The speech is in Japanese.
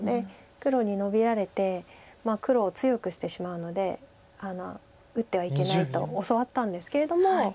黒にノビられて黒を強くしてしまうので打ってはいけないと教わったんですけれども。